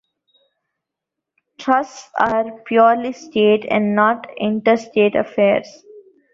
Trusts are purely state, and not interstate affairs.